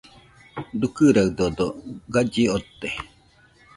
Dukɨradodo galli ote.